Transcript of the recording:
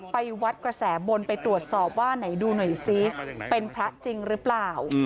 ไปวัดกระแสบนไปตรวจสอบว่าไหนดูหน่อยซิเป็นพระจริงหรือเปล่า